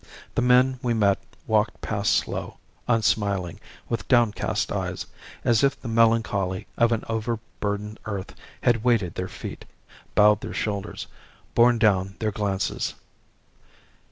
The men we met walked past slow, unsmiling, with downcast eyes, as if the melancholy of an over burdened earth had weighted their feet, bowed their shoulders, borne down their glances.